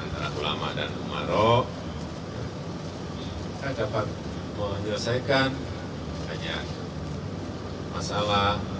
antara ulama dan umarok dapat menyelesaikan banyak masalah